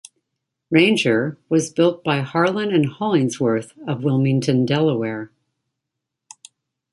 "Ranger" was built by Harlan and Hollingsworth of Wilmington, Delaware.